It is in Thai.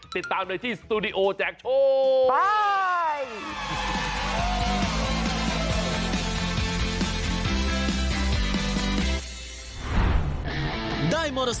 ติดตามในที่สตูดิโอแจกโชว์